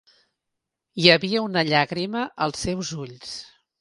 Hi havia una llàgrima als seus ulls.